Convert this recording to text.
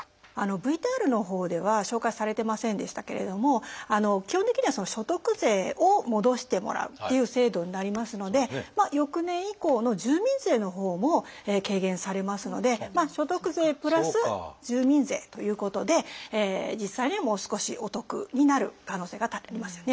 ＶＴＲのほうでは紹介されてませんでしたけれども基本的には所得税を戻してもらうっていう制度になりますので翌年以降の住民税のほうも軽減されますので所得税プラス住民税ということで実際にはもう少しお得になる可能性が多々ありますよね。